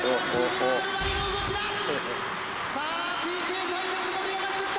「さあＰＫ対決盛り上がってきた」